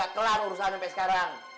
jadi kagak kelar urusan sampai sekarang